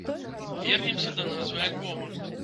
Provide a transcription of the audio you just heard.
Вернемся да назвы альбома.